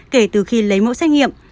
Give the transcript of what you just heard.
kể từ khi lấy mẫu xét nghiệm